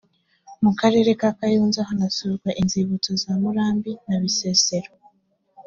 mu karere ka kayonza hanasurwa inzibutso za murambi na bisesero